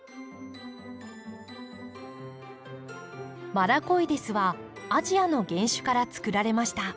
マラコイデスはアジアの原種からつくられました。